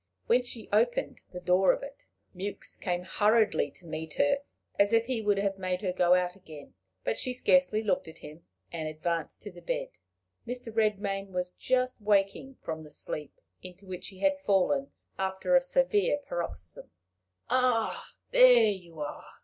When she opened the door of it, Mewks came hurriedly to meet her, as if he would have made her go out again, but she scarcely looked at him, and advanced to the bed. Mr. Redmain was just waking from the sleep into which he had fallen after a severe paroxysm. "Ah, there you are!"